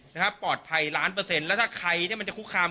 นะครับปลอดภัยล้านเปอร์เซ็นต์แล้วถ้าใครเนี่ยมันจะคุกคาม